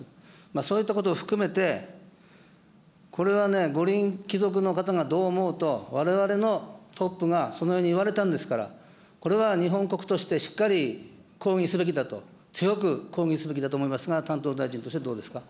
そういったことも含めて、これはね、五輪貴族の方がどう思おうと、われわれのトップがそのように言われたんですから、これは日本国としてしっかり抗議すべきだと、強く抗議すべきだと思いますが、担当大臣としてどうですか。